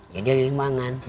ya di limbangan